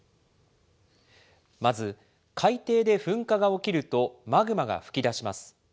まず、海底で噴火が起きるとマグマが噴き出します。